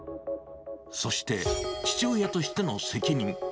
そして、父親としての責任。